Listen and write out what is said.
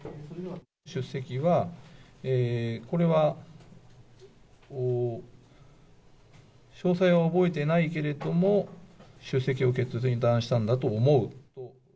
出席は、これは詳細は覚えてないけれども、出席を決断したんだと思う。